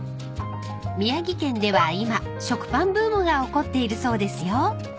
［宮城県では今食パンブームが起こっているそうですよ］